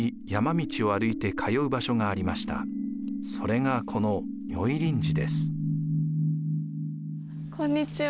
それがこのこんにちは。